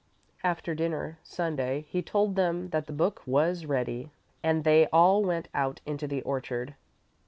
After dinner, Sunday, he told them that the book was ready, and they all went out into the orchard.